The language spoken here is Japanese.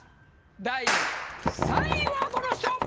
第３位はこの人！